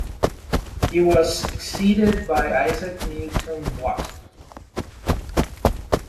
He was succeeded by Isaac Newton Watt.